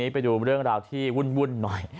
ไปดูเรื่องราวที่วุ่นหน่อย